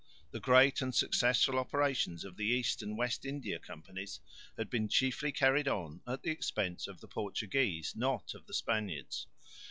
The great and successful operations of the East and West India Companies had been chiefly carried on at the expense of the Portuguese, not of the Spaniards.